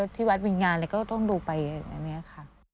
ที่วัดวิญญาณอะไรก็ต้องดูไปอันนี้ค่ะ